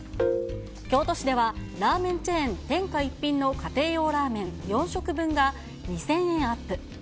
京都市ではラーメンチェーン、天下一品の家庭用ラーメン４食分が２０００円アップ。